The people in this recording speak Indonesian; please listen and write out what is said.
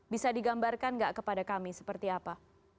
bisa digambarkan nggak kepada kami seperti apa